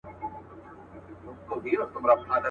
چي اسمان راځي تر مځکي پر دنیا قیامت به وینه..